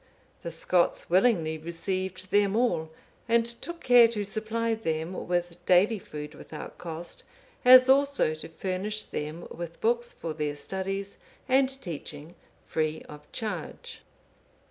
The Scots willingly received them all, and took care to supply them with daily food without cost, as also to furnish them with books for their studies, and teaching free of charge.